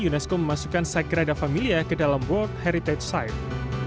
unesco memasukkan sagrada familia ke dalam world heritage side